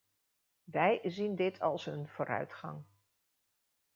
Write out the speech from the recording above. Wij zien dit als een vooruitgang.